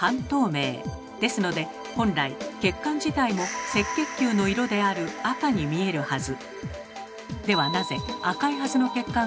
ですので本来血管自体も赤血球の色である赤に見えるはず。